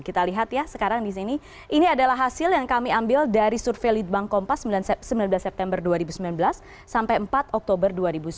kita lihat ya sekarang di sini ini adalah hasil yang kami ambil dari survei litbang kompas sembilan belas september dua ribu sembilan belas sampai empat oktober dua ribu sembilan belas